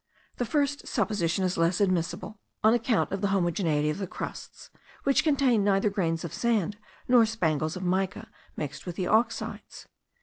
The first supposition is less admissible, on account of the homogeneity of the crusts, which contain neither grains of sand, nor spangles of mica, mixed with the oxides.